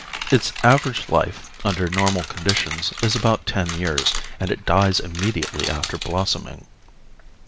Its average life, under normal conditions, is about ten years and it dies immediately after blossoming.